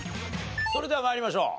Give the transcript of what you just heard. それでは参りましょう。